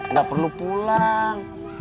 nggak perlu pulang